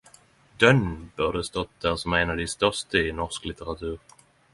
Duun burde stått der som ein av dei største i norsk litteratur.